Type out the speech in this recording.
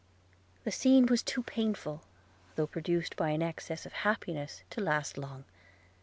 The scene was too painful, though produced by excess of happiness, to last long.